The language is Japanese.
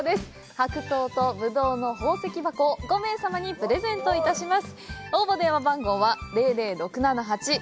白桃とぶどうの宝石箱をセットにして５名様にプレゼントいたします。